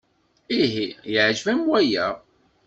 Ihi yeɛjeb-am waya?